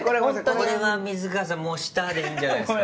これは水川さんもうしたでいいんじゃないですか？